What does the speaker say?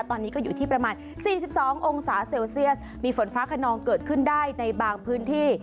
ตอนนี้ก็อยู่ที่ประมาณ๔๒องศาเซลเซียสมีฝนฟ้าขนองเกิดขึ้นได้ในบางพื้นที่